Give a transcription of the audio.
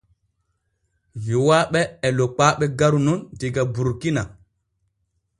Yowaaɓe e Lokpaaɓe garu nun diga Burkina.